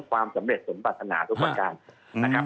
ความสำเร็จสมประสนาทุกประการ